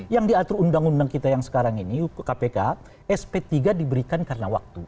yang diatur undang undang kita yang sekarang ini kpk sp tiga diberikan karena waktu